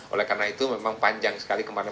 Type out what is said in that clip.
oleh karena itu memang panjang sekali kemana mana